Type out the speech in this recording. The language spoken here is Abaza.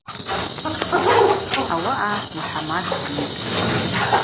Ауаъа Мухӏамад дйытӏ.